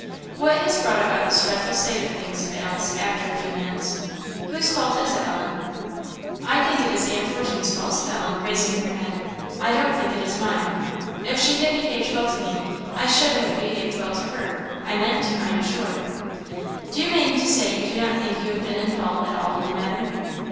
"What has brought about this dreadful state of things?" said Alice, after a few minutes. "Whose fault is it, Ellen?" "I think it is Aunt Fortune's fault," said Ellen, raising her head; "I don't think it is mine. If she had behaved well to me, I should have behaved well to her. I meant to, I am sure." "Do you mean to say you do not think you have been in fault at all in the matter?"